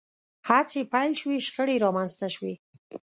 هڅې پیل شوې شخړې رامنځته شوې